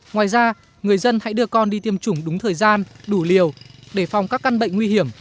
ngoài ra người dân hãy đưa con đi tiêm chủng đúng thời gian đủ liều để phòng các căn bệnh nguy hiểm